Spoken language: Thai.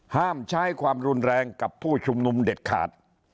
ห้ามใช้ความรุนแรงกับผู้ชุมนุมเด็ดขาด